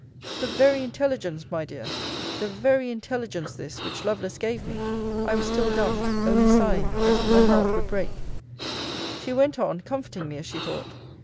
The very intelligence, my dear! the very intelligence this, which Lovelace gave me! I was still dumb only sighing, as if my heart would break. She went on, comforting me, as she thought.